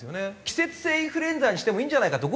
季節性インフルエンザにしてもいいんじゃないかと。